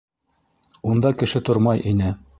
Унда кеше тормай ине.